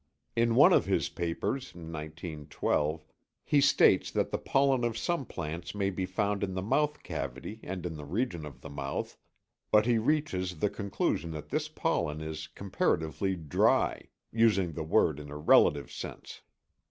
In one of his papers (1912, c) he states that the pollen of some plants may be found in the mouth cavity and in the region of the mouth, but he reaches the conclusion that this pollen is comparatively "dry," using the word in a "relative sense."